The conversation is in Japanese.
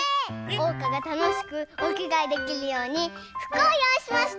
おうかがたのしくおきがえできるようにふくをよういしました！